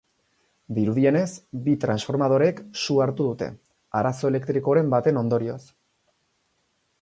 Dirudienez, bi transformadorek su hartu dute, arazo elektrikoren baten ondorioz.